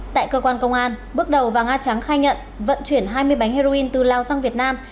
tại cơ quan công an bước đầu vàng a tráng khai nhận vận chuyển hai mươi bánh heroin từ lào sang việt nam